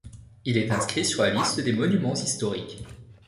Il est inscrit sur la liste des monuments historiques.